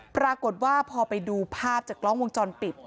ปรากฏว่าพอไปดูภาพจากกล้องวงจรปิด